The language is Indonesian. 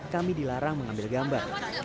kami dilarang mengambil gambar